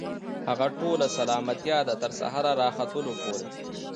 هغه ټوله سلامتيا ده، تر سهار راختلو پوري